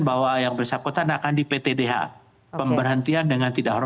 bahwa yang bersangkutan akan di ptdh